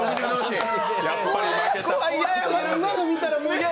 やっぱり負けた。